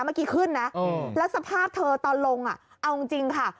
เมื่อกี้ขึ้นนะแล้วสภาพเธอตอนลงเอาจริงค่ะ